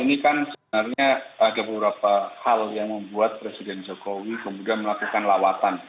ini kan sebenarnya ada beberapa hal yang membuat presiden jokowi kemudian melakukan lawatan